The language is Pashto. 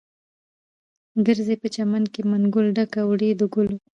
ګرځې په چمن کې، منګول ډکه وړې د ګلو